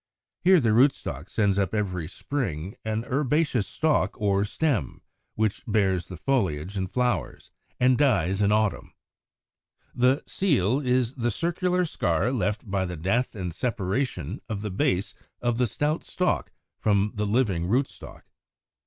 Here the rootstock sends up every spring an herbaceous stalk or stem, which bears the foliage and flowers, and dies in autumn. The seal is the circular scar left by the death and separation of the base of the stout stalk from the living rootstock.